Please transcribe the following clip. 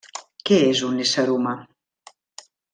Què és un ésser humà?